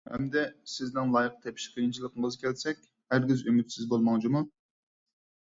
ئەمدى سىزنىڭ لايىق تېپىش قىيىنچىلىقىڭىزغا كەلسەك، ھەرگىز ئۈمىدسىز بولماڭ جۇمۇ!